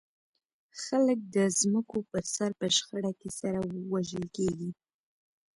خلک د ځمکو پر سر په شخړه کې سره وژل کېږي.